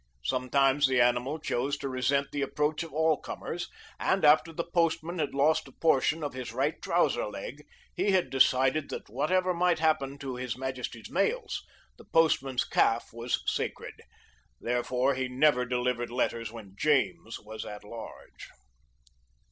Sometimes the animal chose to resent the approach of all comers, and after the postman had lost a portion of his right trouser leg, he had decided that whatever might happen to His Majesty's mails, the postman's calf was sacred. Thenceforth he never delivered letters when James was at large.